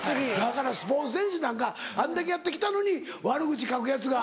だからスポーツ選手なんかあんだけやって来たのに悪口書くヤツが。